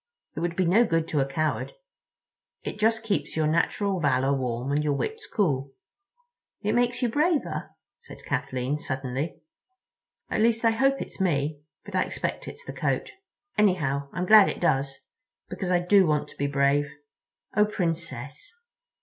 It would be no good to a coward. It just keeps your natural valor warm and your wits cool." "It makes you braver," said Kathleen suddenly. "At least I hope it's me—but I expect it's the coat. Anyhow, I'm glad it does. Because I do want to be brave. Oh, Princess!"